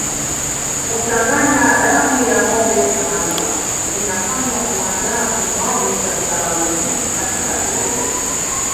Kuchanganya damu ya ngombe na maziwa inafanywa kuandaa kinywaji cha kitamaduni katika sherehe